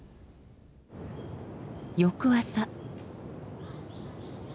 翌朝。